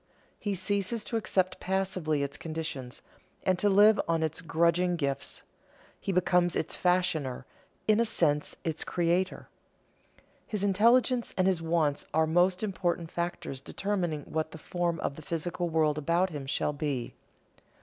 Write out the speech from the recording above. He ceases to accept passively its conditions, and to live on its grudging gifts; he becomes its fashioner, in a sense its creator. His intelligence and his wants are most important factors determining what the form of the physical world about him shall be.